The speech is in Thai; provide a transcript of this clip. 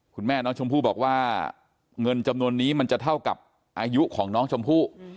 คุณแม่น้องชมพู่บอกว่าเงินจำนวนนี้มันจะเท่ากับอายุของน้องชมพู่